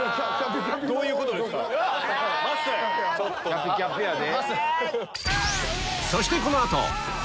キャピキャピやで。